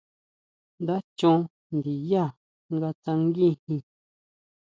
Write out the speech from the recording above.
Nda chon ndinyá nga tsanguijin.